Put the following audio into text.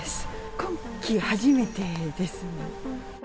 今季初めてですね。